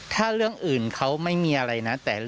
ถ้าเรื่องอื่นกำลังไม่มีอะไร